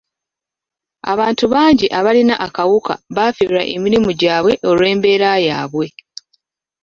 Abantu bangi abalina akawuka bafiirwa emirimu gyabwe olw'embeera yaabwe.